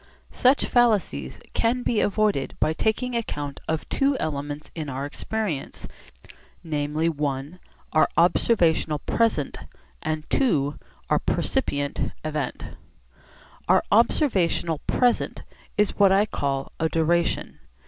Such fallacies can be avoided by taking account of two elements in our experience, namely, (i) our observational 'present,' and (ii) our 'percipient event.' Our observational 'present' is what I call a 'duration.'